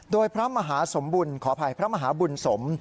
โดยพระมหาสมบุญขออภัยพระมหาบุญสม